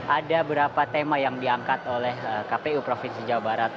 ada beberapa tema yang diangkat oleh kpu provinsi jawa barat